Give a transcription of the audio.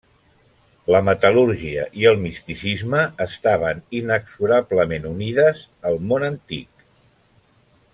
La metal·lúrgia i el misticisme estaven inexorablement unides al món antic.